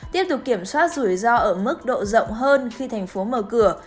tiếp tục kiểm soát rủi ro ở mức độ rộng hơn khi thành phố mở cửa